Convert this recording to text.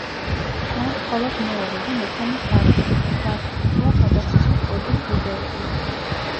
ჩანს მხოლოდ მეორე და მესამე სართული და სართულშუა გადახურვის კოჭის ბუდეები.